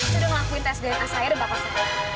sudah melakukan tes dna saya dan bakal saya